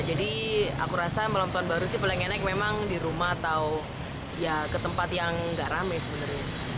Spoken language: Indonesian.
jadi aku rasa malam tahun baru sih paling enak memang di rumah atau ya ke tempat yang nggak rame sebenarnya